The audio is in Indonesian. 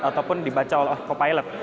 ataupun dibaca oleh autopilot